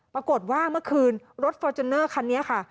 ปรากฏว่าเมื่อคืนรถฟอร์จูเนอร์คันนี้ค่ะ